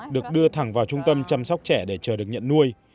được đưa thẳng vào trung tâm chăm sóc trẻ để chờ được nhận nuôi